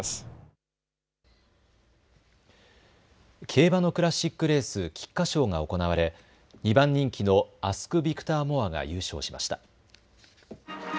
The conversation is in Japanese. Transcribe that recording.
競馬のクラシックレース、菊花賞が行われ２番人気のアスクビクターモアが優勝しました。